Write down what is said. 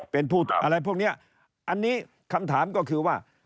เป็นผู้อะไรพวกนี้อันนี้คำถามก็คือว่า